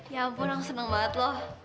ya ampun aku senang banget loh